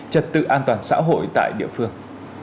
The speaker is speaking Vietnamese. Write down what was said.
trật tự an toàn xã hội tại địa phương